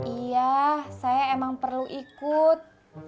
iya saya emang perlu ikut